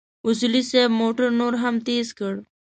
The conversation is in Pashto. اصولي صیب موټر نور هم تېز کړ.